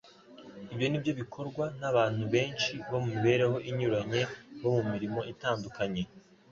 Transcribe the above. Ibyo nibyo bikorwa n’abantu benshi bo mu mibereho inyuranye bo mu mirimo itandukanye,